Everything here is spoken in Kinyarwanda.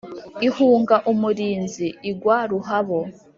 Ihunga umurinzi igwa ruhabo.